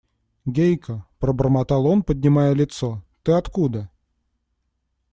– Гейка, – пробормотал он, поднимая лицо, – ты откуда?